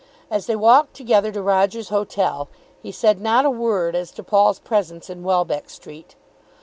As they walked together to Roger's hotel he said not a word as to Paul's presence in Welbeck Street.